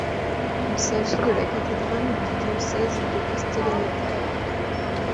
Il s'agit de la cathédrale du diocèse de Castellaneta.